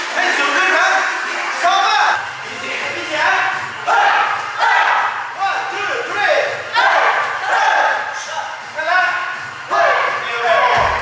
พี่เจ๋งพี่เจ๋ง๑๒๓โอ้โหโอ้โหสวัสดีครับวันละ๓๐๔๐นาที